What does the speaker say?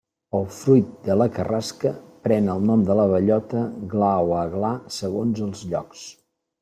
El fruit de la carrasca pren el nom de bellota, gla o aglà, segons els llocs.